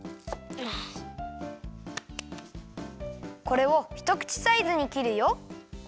これをひとくちサイズにきるよ。